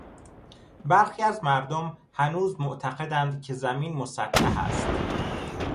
برخی از مردم هنوز معتقدند که زمین مسطح است.